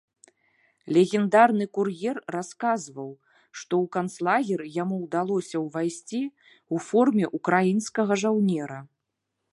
Легендарны кур'ер расказваў, што ў канцлагер яму ўдалося ўвайсці ў форме ўкраінскага жаўнера.